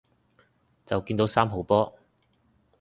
就見到三號波